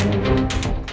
semua bentuknya sama